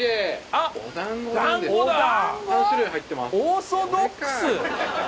オーソドックス！